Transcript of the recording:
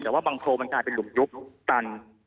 แต่ว่าบางโครมันกลายเป็นหลุมยุบกัน